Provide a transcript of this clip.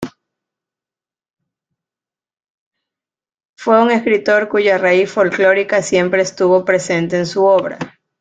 Fue un escritor cuya raíz folclórica siempre estuvo presente en su obra.